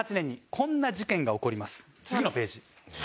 次のページ。